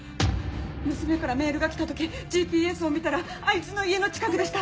娘からメールが来た時ＧＰＳを見たらあいつの家の近くでした。